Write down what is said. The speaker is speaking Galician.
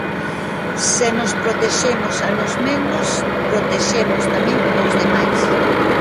Se nos protexemos a nós mesmos, protexemos tamén os demais.